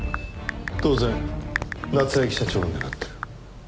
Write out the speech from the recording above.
当然夏焼社長を狙っている。